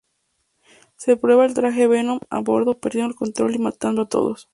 Se prueba el traje Venom a bordo perdiendo el control y matando a todos.